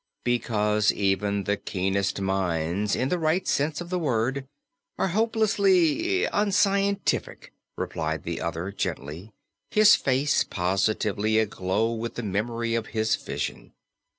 "Because even the keenest minds, in the right sense of the word, are hopelessly unscientific," replied the other gently, his face positively aglow with the memory of his vision.